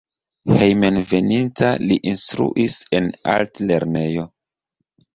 Hejmenveninta li instruis en Altlernejo.